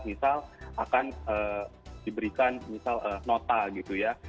misal akan diberikan misal nota gitu ya